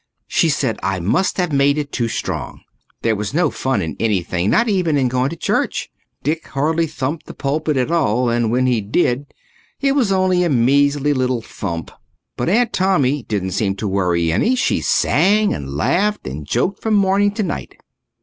She said I must have made it too strong. There was no fun in anything, not even in going to church. Dick hardly thumped the pulpit at all and when he did it was only a measly little thump. But Aunt Tommy didn't seem to worry any. She sang and laughed and joked from morning to night.